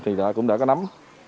thì cũng đã có nắm